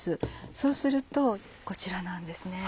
そうするとこちらなんですね。